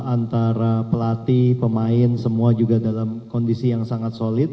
antara pelatih pemain semua juga dalam kondisi yang sangat solid